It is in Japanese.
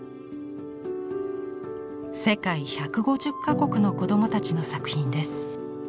世界１５０か国の子どもたちの作品です。